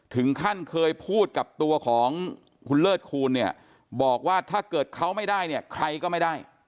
ถึงขั้นเคยพูดกับตัวของคุณเลิศคูณเนี่ยบอกว่าถ้าเกิดเขาไม่ได้เนี่ยใครก็ไม่ได้